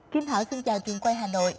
kính hỏi xin chào truyền quay hà nội